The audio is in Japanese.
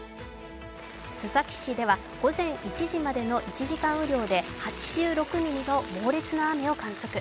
須崎市では午前１時までの１時間雨量で８６ミリの猛烈な雨を観測。